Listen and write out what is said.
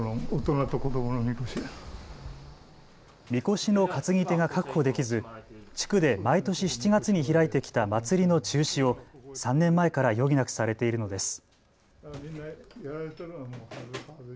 みこしの担ぎ手が確保できず地区で毎年７月に開いてきた祭りの中止を３年前から余儀なくされているのです。